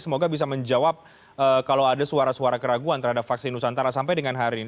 semoga bisa menjawab kalau ada suara suara keraguan terhadap vaksin nusantara sampai dengan hari ini